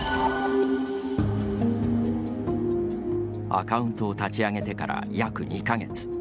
アカウントを立ち上げてから約２か月。